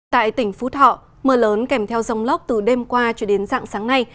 tại tỉnh phú thọ mưa lớn kèm theo dòng lóc từ đêm qua cho đến dạng sáng nay